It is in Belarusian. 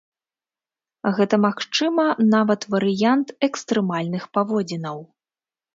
Гэта, магчыма, нават варыянт экстрэмальных паводзінаў.